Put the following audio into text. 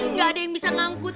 nggak ada yang bisa ngangkut